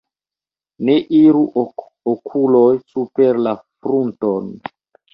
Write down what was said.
Ne iru okuloj super la frunton.